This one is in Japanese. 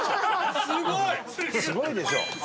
すごいでしょ？